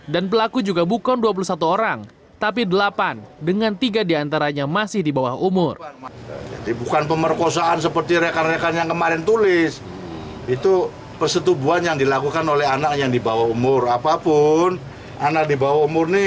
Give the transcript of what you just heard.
dan pelaku juga bukan dua puluh satu orang tapi delapan dengan tiga diantaranya masih di bawah umur